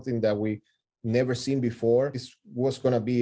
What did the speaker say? ini adalah hal yang belum pernah kita lihat